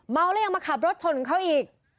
เมาแล้วยังมาขับรถชนเขาอีก